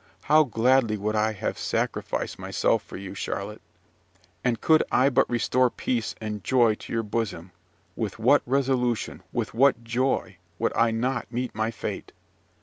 how gladly would I have sacrificed myself for you; Charlotte! And could I but restore peace and joy to your bosom, with what resolution, with what joy, would I not meet my fate!